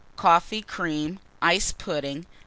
Coffee Cream. Ice Pudding.